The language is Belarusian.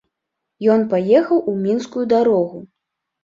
Ён паехаў у мінскую дарогу.